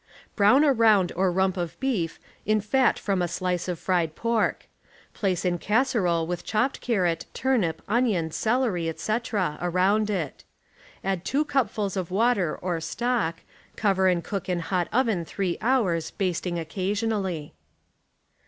Brown a round or rump of beef in fat from a slice of fried ])ork. Place in casserole with chopped carrot, turnip, cmion. celery, etc., around it. Add two cupfuLs of water or stock, cover and cook in hot oven three hours, basting occasionally.